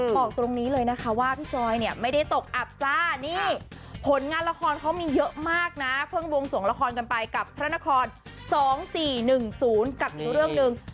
บอกตรงนี้เลยนะคะว่าพี่จอยเนี่ยไม่ได้ตกอับจ้านี่ผลงานละครเขามีเยอะมากนะเพิ่งวงสวงละครกันไปกับพระนคร๒๔๑๐กับอีกเรื่องหนึ่ง